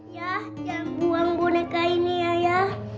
ya jangan buang boneka ini ya